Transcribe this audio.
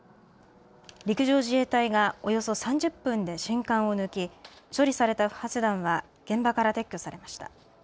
陸上自衛隊がおよそ３０分で信管を抜き処理された不発弾は現場から撤去されました。